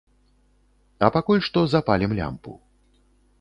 А пакуль што запалім лямпу.